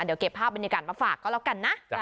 เดี๋ยวเก็บภาพบรรยากาศมาฝากก็แล้วกันนะ